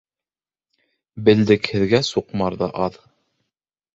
Белдекһеҙгә сукмар ҙа аҙ.